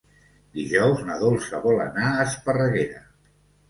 Dijous na Dolça vol anar a Esparreguera.